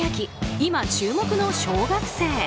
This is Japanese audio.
今、注目の小学生。